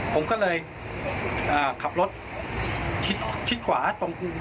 ผมก็เลยขับรถชิดขวาตรง